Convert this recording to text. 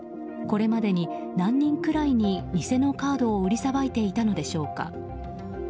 これまでに何人くらいに偽のカードを売りさばいていたのでしょうか。